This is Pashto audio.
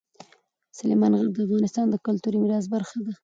سلیمان غر د افغانستان د کلتوري میراث برخه ده.